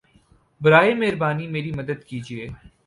براہِ مہربانی میری مدد کیجیے